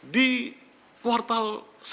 di kuartal satu dua ribu delapan belas